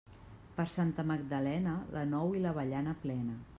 Per Santa Magdalena, l'anou i l'avellana plena.